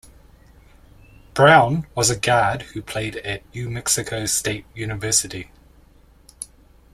Brown was a guard who played at New Mexico State University.